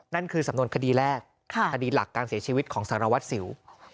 นั่นคือสำนวนคดีแรกคดีหลักการเสียชีวิตของสารวัตรสิว